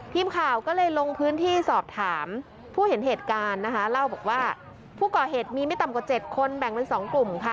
ทีมข่าวก็เลยลงพื้นที่สอบถามผู้เห็นเหตุการณ์นะคะเล่าบอกว่าผู้ก่อเหตุมีไม่ต่ำกว่า๗คนแบ่งเป็น๒กลุ่มค่ะ